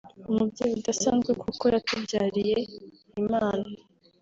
umubyeyi udasanzwe kuko yatubyariye Imana